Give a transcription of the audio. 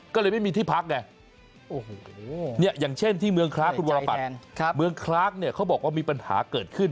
ก็เลยไม่มีที่พักไงอย่างเช่นที่เมืองคล้าคุณวรปัตรเมืองคลากเนี่ยเขาบอกว่ามีปัญหาเกิดขึ้น